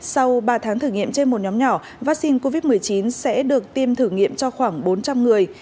sau ba tháng thử nghiệm trên một nhóm nhỏ vaccine covid một mươi chín sẽ được tiêm thử nghiệm cho khoảng bốn trăm linh người